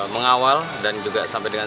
mengawal dan juga sampai dengan